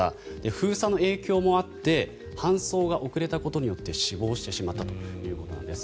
封鎖の影響もあって搬送が遅れたことによって死亡してしまったということなんです。